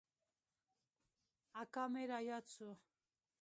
اکا مې راياد سو.